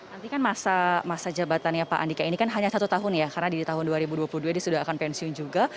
nanti kan masa jabatannya pak andika ini kan hanya satu tahun ya karena di tahun dua ribu dua puluh dua dia sudah akan pensiun juga